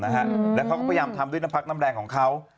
เนี่ยครับและเขาก็พยายามทำด้วยหน้าพักน้ำแดงของเขา